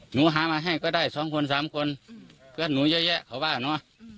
หนูหามาให้ก็ได้สองคนสามคนเพื่อนหนูเยอะแยะเขาว่าเนอะ